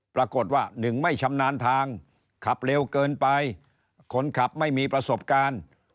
ปรากฏว่าหนึ่งไม่ชำนาญทางขับเร็วเกินไปคนขับไม่มีประสบการณ์